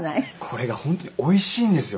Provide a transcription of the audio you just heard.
これが本当においしいんですよ。